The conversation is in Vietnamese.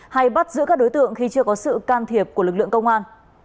hay bắt giữ các đối tượng khi chưa có sự can thiệp của lực lượng công an